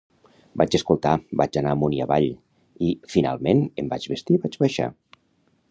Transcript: Vaig escoltar, vaig anar amunt i avall i, finalment, em vaig vestir i vaig baixar.